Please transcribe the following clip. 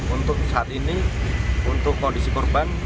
untuk saat ini untuk kondisi korban